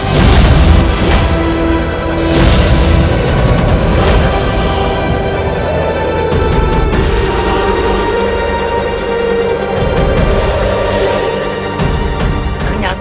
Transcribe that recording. ternyata dia benar benar sakti